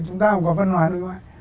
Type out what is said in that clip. chúng ta cũng có văn hóa đối ngoại